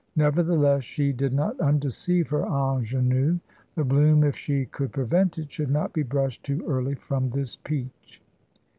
Nevertheless, she did not undeceive her ingénue; the bloom, if she could prevent it, should not be brushed too early from this peach.